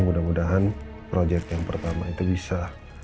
mudah mudahan proyek yang pertama itu bisa